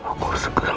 makhluk yang itti war